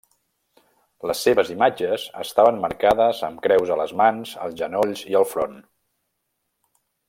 Les seves imatges estaven marcades amb creus a les mans, els genolls i el front.